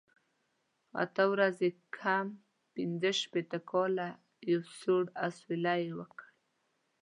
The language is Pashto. اته ورځې کم پنځه شپېته کاله، یو سوړ اسویلی یې وکړ.